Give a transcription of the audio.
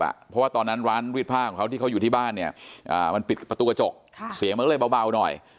เพราะว่าตอนนั้นร้านรีดผ้าของเขาที่เขาอยู่ที่บ้านเนี่ยมันปิดประตูกระจกเสียงมันก็เลยเบาหน่อย